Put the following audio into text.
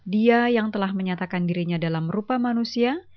dia yang telah menyatakan dirinya dalam rupa manusia